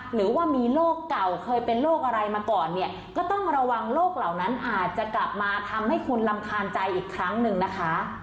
หรือว่ามีโรคเก่าเคยเป็นโรคอะไรมาก่อนเนี่ยก็ต้องระวังโรคเหล่านั้นอาจจะกลับมาทำให้คุณรำคาญใจอีกครั้งหนึ่งนะคะ